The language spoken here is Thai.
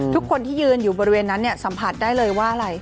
ทุกคนที่ยืนอยู่บริเวณนั้นสัมผัสได้เลยว่าอะไร